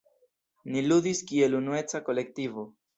Ni ludis kiel unueca kolektivo.